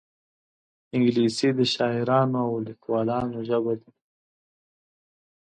انګلیسي د شاعرانو او لیکوالانو ژبه ده